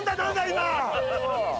今。